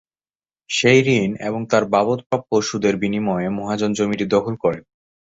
সেই ঋণ এবং তার বাবদ প্রাপ্য সুদের বিনিময়ে মহাজন জমিটি দখল করেন।